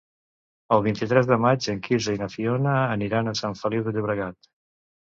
El vint-i-tres de maig en Quirze i na Fiona aniran a Sant Feliu de Llobregat.